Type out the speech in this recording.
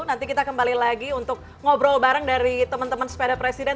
nanti kita kembali lagi untuk ngobrol bareng dari teman teman sepeda presiden